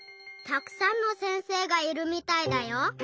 たくさんの先生がいるみたいだよ。